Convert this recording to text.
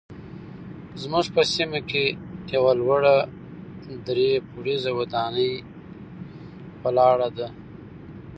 زموږ په سیمه کې یوه لوړه درې پوړیزه ودانۍ ولاړه ده.